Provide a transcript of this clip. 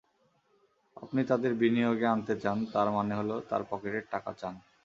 আপনি তাঁদের বিনিয়োগে আনতে চান, তার মানে হলো তাঁর পকেটের টাকা চান।